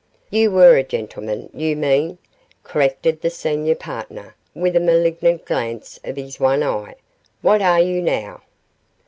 'You were a gentleman, you mean,' corrected the senior partner, with a malignant glance of his one eye. 'What are you now?